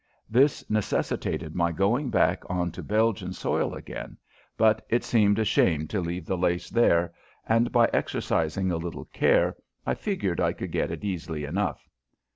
This necessitated my going back on to Belgian soil again, but it seemed a shame to leave the lace there, and by exercising a little care I figured I could get it easily enough.